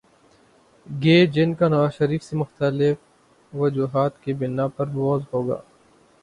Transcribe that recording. گے جن کا نواز شریف سے مختلف وجوہات کی بناء پہ بغض ہو گا۔